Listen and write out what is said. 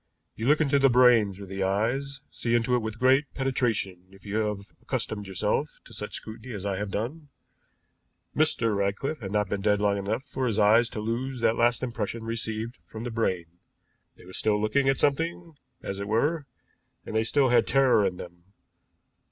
You look into the brain through the eyes, see into it with great penetration if you have accustomed yourself to such scrutiny as I have done. Mr. Ratcliffe had not been dead long enough for his eyes to lose that last impression received from the brain. They were still looking at something, as it were, and they still had terror in them.